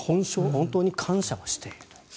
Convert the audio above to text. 本当に感謝していると。